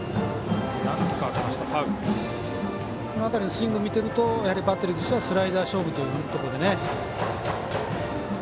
スイングを見てるとバッテリーとしてはスライダー勝負というところです。